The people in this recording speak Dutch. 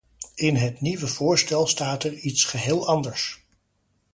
In het nieuwe voorstel staat er iets geheel anders.